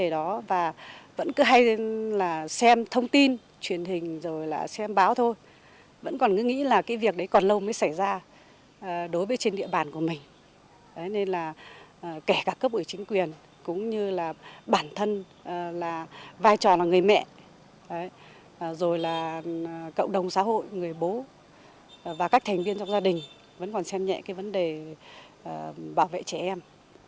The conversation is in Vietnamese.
rồi là cộng đồng xã hội người bố và các thành viên trong gia đình vẫn còn xem nhẹ cái vấn đề bảo vệ trẻ em